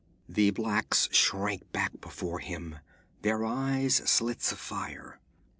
The blacks shrank back before him, their eyes slits of fire.